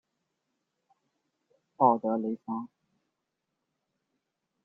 奥德雷桑。